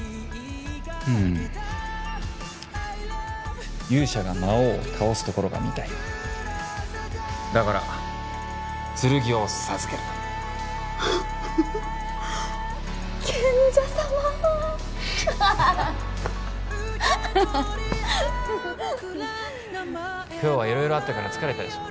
うん勇者が魔王を倒すところが見たいだから剣を授ける賢者様今日は色々あったから疲れたでしょ？